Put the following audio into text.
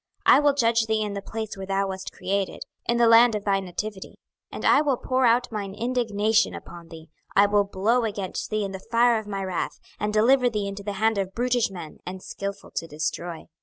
I will judge thee in the place where thou wast created, in the land of thy nativity. 26:021:031 And I will pour out mine indignation upon thee, I will blow against thee in the fire of my wrath, and deliver thee into the hand of brutish men, and skilful to destroy.